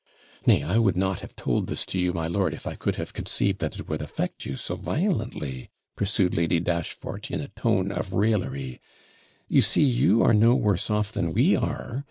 Nay, I would not have told this to you, my lord, if I could have conceived that it would affect you so violently,' pursued Lady Dashfort, in a tone of raillery; 'you see you are no worse off than we are.